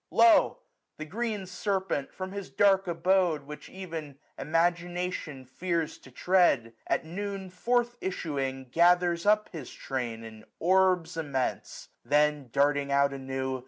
Lo ! the green serpent, from his dark abode. Which ev'n Imagination fears to tread. At noon forth issuing, gathers up his train 900 In orbs immense ; then, darting out anew.